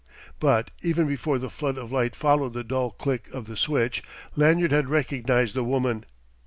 But even before the flood of light followed the dull click of the switch, Lanyard had recognized the woman.